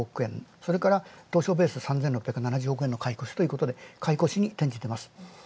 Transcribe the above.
それから東証ベース３６７０億円と買い越しということで、買い越しに転じています。